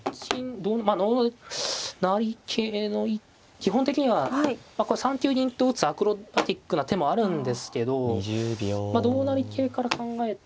基本的には３九銀と打つアクロバティックな手もあるんですけどまあ同成桂から考えてみたくて。